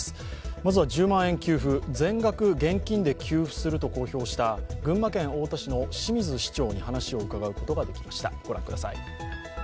まずは１０万円給付、全額現金で給付すると発表した群馬県太田市の清水市長にお話を伺うことができました。